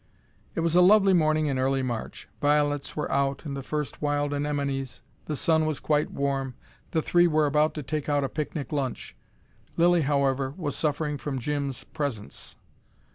It was a lovely morning in early March. Violets were out, and the first wild anemones. The sun was quite warm. The three were about to take out a picnic lunch. Lilly however was suffering from Jim's presence.